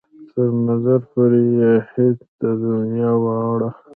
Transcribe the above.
تر نظر پورې يې هېڅ ده د دنيا واړه.